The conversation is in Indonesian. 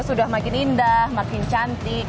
sudah makin indah makin cantik